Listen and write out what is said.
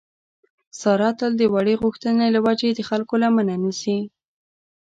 ساره تل د وړې غوښتنې له وجې د خلکو لمنه نیسي.